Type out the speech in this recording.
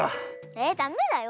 えっダメだよ。